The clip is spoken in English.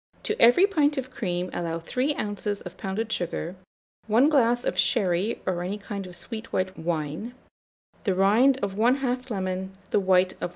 To every pint of cream allow 3 oz. of pounded sugar, 1 glass of sherry or any kind of sweet white wine, the rind of 1/2 lemon, the white of 1 egg.